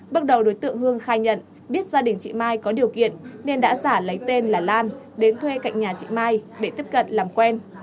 bước đầu đối tượng hương khai nhận biết gia đình chị mai có điều kiện nên đã giả lấy tên là lan đến thuê cạnh nhà chị mai để tiếp cận làm quen